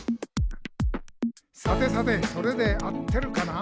「さてさてそれで合ってるかな？」